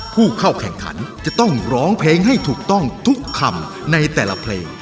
ผู้เข้าแข่งขันจะต้องร้องเพลงให้ถูกต้องทุกคำในแต่ละเพลง